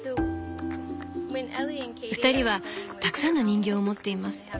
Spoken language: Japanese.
２人はたくさんの人形を持っています。